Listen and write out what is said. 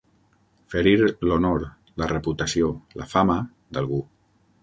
Ferir l'honor, la reputació, la fama, d'algú.